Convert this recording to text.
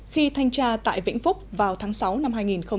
khi thanh tra tại vĩnh phúc vào tháng sáu năm hai nghìn một mươi chín